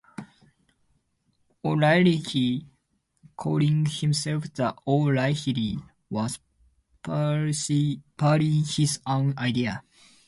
O'Rahilly's calling himself "The O'Rahilly" was purely his own idea.